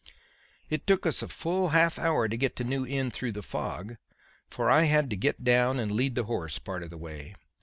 "It took us a full half hour to get to New Inn through the fog, for I had to get down and lead the horse part of the way.